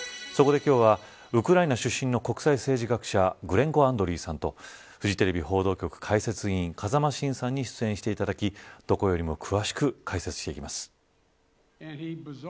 そこで今日は、ウクライナ出身の国際政治学者グレンコ・アンドリーさんとフジテレビ放送報道局解説委員風間晋さんに出演していただきどこよりも詳しく解説していきます。